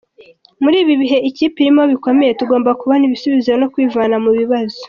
"Muri ibi bihe ikipe irimo bikomeye, tugomba kubona ibisubizo no kwivana mu bibazo.